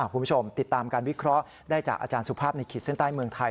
คุณผู้ชมติดตามการวิเคราะห์ได้จากอาจารย์สุภาพในขีดเส้นใต้เมืองไทย